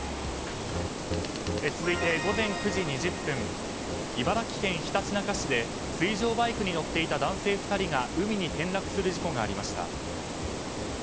続いて午前９時２０分茨城県ひたちなか市で水上バイクに乗っていた男性２人が海に転落する事故がありました。